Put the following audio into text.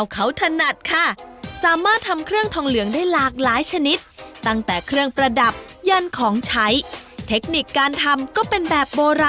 กลายเป็นงานศิลปะขึ้นชื่อของที่นี่เขาเลย